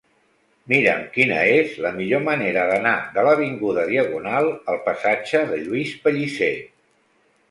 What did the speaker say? Mira'm quina és la millor manera d'anar de l'avinguda Diagonal al passatge de Lluís Pellicer.